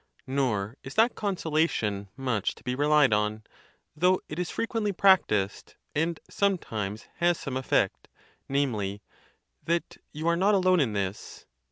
Nor is that consolation much to be relied on, though it is frequently practised, and sometimes has some effect, namely, "That you are not alone in this."